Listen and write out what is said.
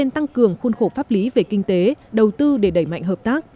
tưởng khuôn khổ pháp lý về kinh tế đầu tư để đẩy mạnh hợp tác